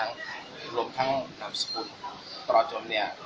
มาประมาณ๓๔ครั้งรวมทั้งนามสกุลประจมเนี่ย